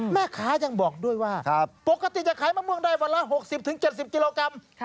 แม่ค้ายังบอกด้วยว่าปกติจะขายมะม่วงได้วันละ๖๐๗๐กิโลกรัม